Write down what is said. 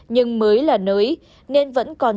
nhưng mới là nới nên vẫn còn